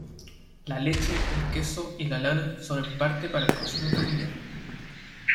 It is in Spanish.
La leche, el queso y lana son en parte para el consumo familiar.